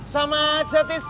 sama aja tis